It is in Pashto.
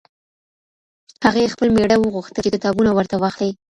هغې ه خپل مېړه وغوښتل چې کتابونه ورته واخلي.